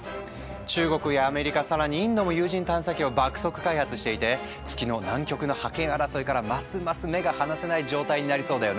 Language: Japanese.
中国やアメリカ更にインドも有人探査機を爆速開発していて月の南極の覇権争いからますます目が離せない状態になりそうだよね。